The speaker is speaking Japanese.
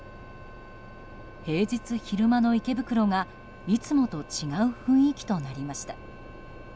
平日昼間の池袋が、いつもと違う雰囲気となりました。